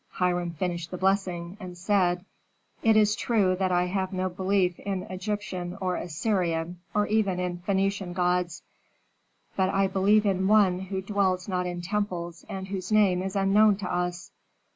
Hiram finished the blessing, and said, "It is true that I have no belief in Egyptian or Assyrian, or even in Phœnician gods, but I believe in One who dwells not in temples and whose name is unknown to us."